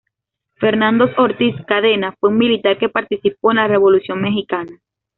Fernando Ortiz Cadena fue un militar que participó en la Revolución mexicana.